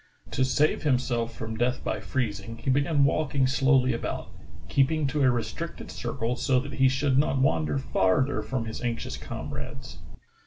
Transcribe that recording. To save himself from death by freezing, he began walking slowly about, keeping to a restricted circle so that he should not wander farther from his anxious comrades.